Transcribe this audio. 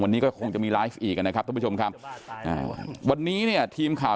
วันนี้ก็คงจะมีไลฟ์อีกนะครับท่านผู้ชมครับอ่าวันนี้เนี่ยทีมข่าว